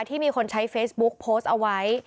ที่มีคนใช้เฟซบุ๊กโพสต์เอาไว้